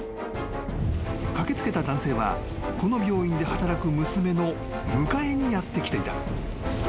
［駆け付けた男性はこの病院で働く娘の迎えにやって来ていた］